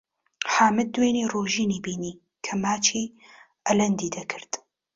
حامید دوێنێ ڕۆژینی بینی کە ماچی ئەلەندی دەکرد.